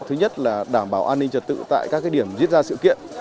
thứ nhất là đảm bảo an ninh trật tự tại các điểm diễn ra sự kiện